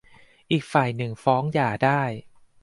อีกฝ่ายหนึ่งฟ้องหย่าได้